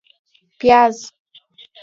🧅 پیاز